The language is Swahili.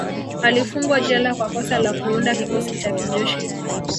Alifungwa jela kwa kosa la Kuunda kikosi cha kijeshi